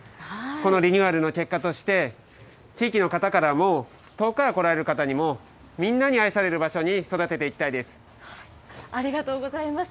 このリニューアルの結果として、地域の方からも、遠くから来られる方からも、みんなに愛される場ありがとうございます。